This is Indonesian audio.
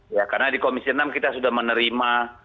ya karena di komisi enam kita sudah menerima